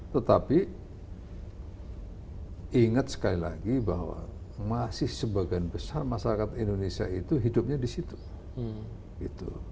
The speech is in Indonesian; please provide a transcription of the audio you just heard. tetapi ingat sekali lagi bahwa masih sebagian besar masyarakat indonesia itu hidupnya di situ